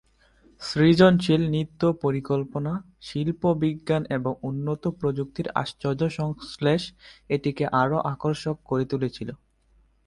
সৃজনশীল নৃত্য পরিকল্পনা, শিল্প, বিজ্ঞান এবং উন্নত প্রযুক্তির আশ্চর্য সংশ্লেষ এটিকে আরও আকর্ষক করে তুলেছিল।